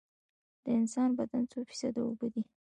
د انسان بدن څو فیصده اوبه دي؟